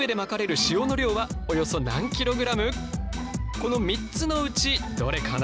この３つのうちどれかな？